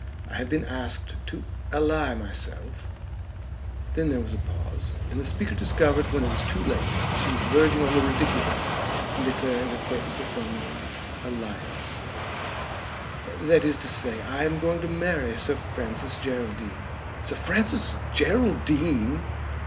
I have been asked to ally myself ;" then there was a pause, and the speaker discovered when it was too late that she was verging on the ridiculous in declaring her purpose of forming an alliance; "that is to say, I am going to marry Sir Francis Geraldine." "Sir Francis Geraldine!"